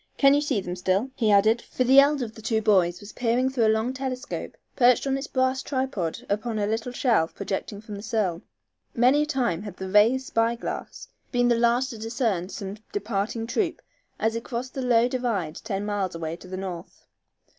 "Can you see them still?" he added, for the elder of the two boys was peering through a long telescope, perched on its brass tripod upon a little shelf projecting from the sill. Many a time had the "Rays' spyglass" been the last to discern some departing troop as it crossed the low divide ten miles away to the north.